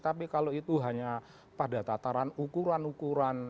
tapi kalau itu hanya pada tataran ukuran ukuran